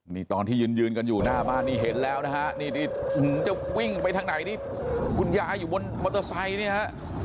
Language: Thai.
นี่ตอนที่ยืนยืนกันอยู่หน้าบ้านนี่เห็นแล้วนะฮะนี่จะวิ่งไปทางไหนที่คุณยายอยู่บนมอเตอร์ไซค์เนี่ยฮะ